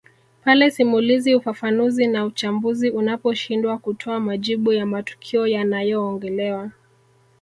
Pale simulizi ufafanuzi na uchambuzi unaposhindwa kutoa majibu ya matukio yanayoongelewa